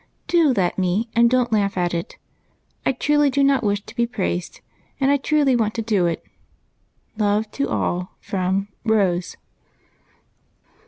Do let me, and don't laugh at it ; I truly do not wish to be praised, and I truly want to do it. Love to all from " Rose."